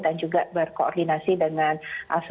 dan juga berkoordinasi dengan asosiasi